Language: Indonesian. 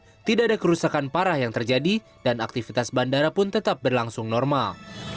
namun tidak ada kerusakan parah yang terjadi dan aktivitas bandara pun tetap berlangsung normal